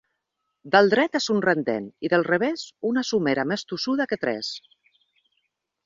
Del dret és un rendent i del revés una somera més tossuda que tres.